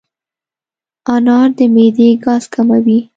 انار د معدې ګاز کموي.